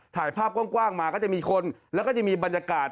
ถ่ายภาพกว้างมาก็จะมีคนแล้วก็จะมีบรรยากาศ